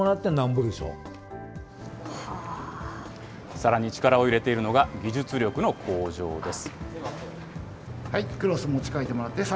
さらに力を入れているのが、技術力の向上です。